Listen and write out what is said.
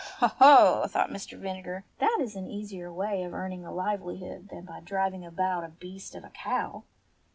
"Ho, ho !" thought Mr. Vinegar. "That is an easier way of earning a livelihood than by driving about a beast of a cow